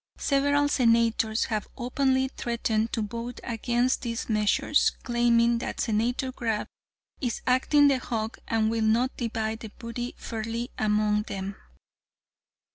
Several senators have openly threatened to vote against these measures, claiming that Senator Grab is acting the hog and will not divide the booty fairly among them."